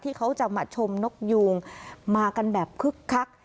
เขาจะมาชมนกยูงมากันแบบคึกคัก